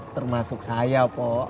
termasuk saya pok